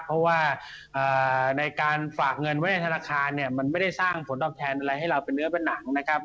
เพราะว่าในการฝากเงินไว้ในธนาคารเนี่ยมันไม่ได้สร้างผลตอบแทนอะไรให้เราเป็นเนื้อเป็นหนังนะครับ